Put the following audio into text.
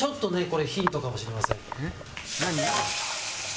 これヒントかもしれません。